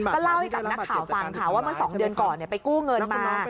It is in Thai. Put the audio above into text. ก็เล่าให้กับนักข่าวฟังค่ะว่าเมื่อ๒เดือนก่อนไปกู้เงินมา